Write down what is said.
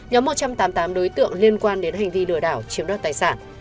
nhóm một trăm tám mươi tám đối tượng liên quan đến hành vi lừa đảo chiếm đoạt tài sản